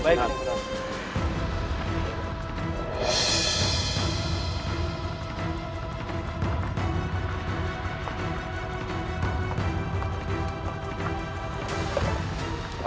apa sudah waktunya